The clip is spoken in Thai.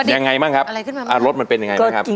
ยังไงบ้างครับรถมันเป็นยังไงบ้างครับ